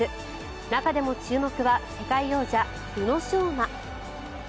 中でも注目は世界王者、宇野昌磨。